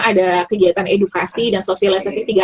ada kegiatan edukasi dan sosialisasi tiga